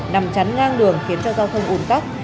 nằm chắn ngang đường khiến cho giao thông ủn tắc